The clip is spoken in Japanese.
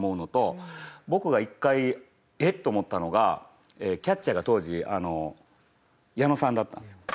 僕が１回えっ？と思ったのがキャッチャーが当時矢野さんだったんですよ。